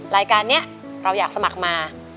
รายการนี้เราอยากสมัครมา